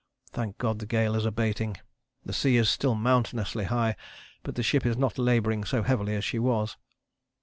Thank God the gale is abating. The sea is still mountainously high but the ship is not labouring so heavily as she was."